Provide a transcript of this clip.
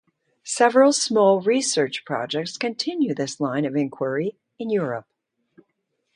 Several small research projects continue this line of inquiry in Europe.